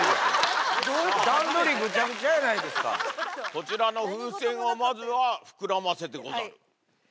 こちらの風船をまずは膨らませるでござる。